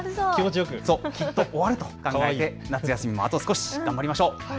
きっと終わると考えて夏休みもあと少し、頑張りましょう。